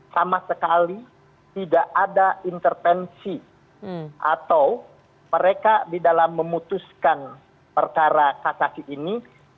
sama sekali tidak ada intervensi atau mereka di dalam memutuskan perkara kasasi ini